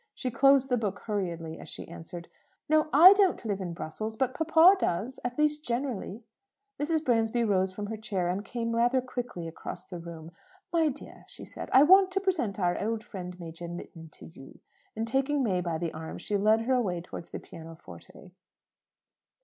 She closed the book hurriedly as she answered "No, I don't live in Brussels, but papa does at least, generally." Mrs. Bransby rose from her chair, and came rather quickly across the room. "My dear," she said, "I want to present our old friend, Major Mitton, to you;" and taking May by the arm, she led her away towards the pianoforte.